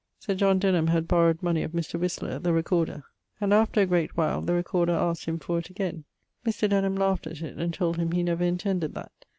Sir John Denham had borrowed money of Mr. Whistler, the recorder, and, after a great while, the recorder askt him for it again. Mr. Denham laught at it, and told him he never intended that.